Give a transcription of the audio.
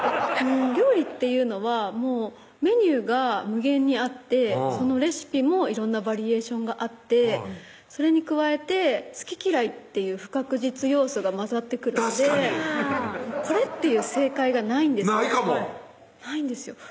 料理っていうのはメニューが無限にあってそのレシピも色んなバリエーションがあってそれに加えて好き嫌いっていう不確実要素が混ざってくるので確かにこれっていう正解がないんですないかもないんですよ